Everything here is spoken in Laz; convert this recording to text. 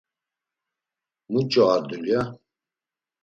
Muç̌o ar dulya.